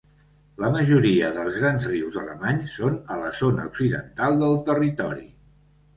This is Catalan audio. La majoria dels grans rius alemanys són a la zona occidental del territori.